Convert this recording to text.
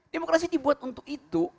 demokrasi dibuat untuk itu